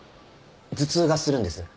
頭痛がするんです。